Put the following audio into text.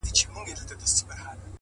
تخت که هر څونه وي لوی نه تقسیمیږي-